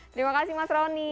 terima kasih mas roni